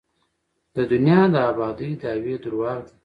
د دنیا د ابادۍ دعوې درواغ دي.